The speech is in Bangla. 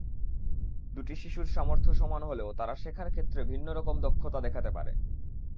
দুটি শিশুর সামর্থ্য সমান হলেও তারা শেখার ক্ষেত্রে ভিন্নরকম দক্ষতা দেখাতে পারে।